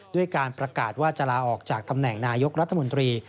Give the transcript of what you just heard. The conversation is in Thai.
ด้วยการประกาศว่าจะลาออกจากตำแหน่งนายกรัฐมนตรี